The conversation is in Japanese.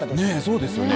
そうですよね